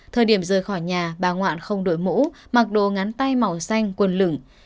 thời điểm rời khỏi nhà bà ngoạn không đổi mũ mặc đồ ngắn tay màu xanh quần lửng